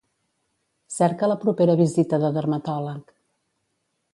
Cerca la propera visita de dermatòleg.